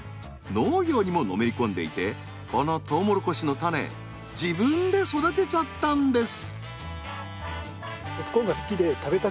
農業にものめり込んでいてこのとうもろこしの種自分で育てちゃったんです。